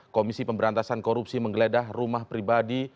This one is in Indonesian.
komisi pemberantasan korupsi menggeledah rumah pribadi